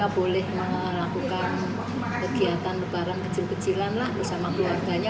boleh melakukan kegiatan lebaran kecil kecilan lah bersama keluarganya